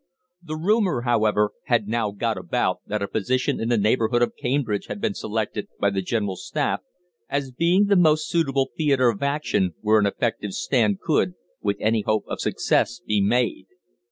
The rumour, however, had now got about that a position in the neighbourhood of Cambridge had been selected by the General Staff as being the most suitable theatre of action where an effective stand could, with any hope of success, be made.